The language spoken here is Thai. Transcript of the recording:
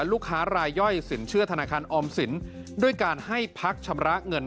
ลูกค้ารายย่อยสินเชื่อธนาคารออมสินด้วยการให้พักชำระเงิน